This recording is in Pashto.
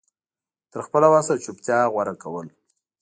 تر خپله وسه چوپتيا غوره کول